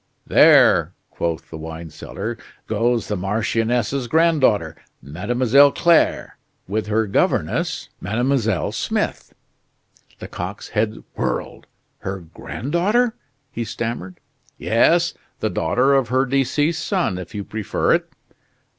"There," quoth the wine seller, "goes the marchioness's granddaughter, Mademoiselle Claire, with her governess, Mademoiselle Smith." Lecoq's head whirled. "Her granddaughter!" he stammered. "Yes the daughter of her deceased son, if you prefer it."